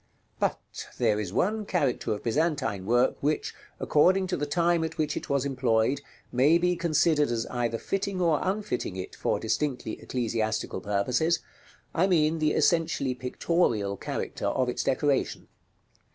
§ LVII. But there is one character of Byzantine work which, according to the time at which it was employed, may be considered as either fitting or unfitting it for distinctly ecclesiastical purposes; I mean the essentially pictorial character of its decoration.